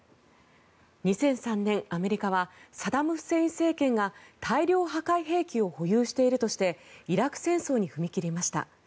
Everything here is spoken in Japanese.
２００３年、アメリカはサダム・フセイン政権が大量破壊兵器を保有しているとしてイラク戦争に踏み切りました。